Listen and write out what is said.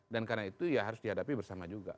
dan karena itu ya harus dihadapi bersama juga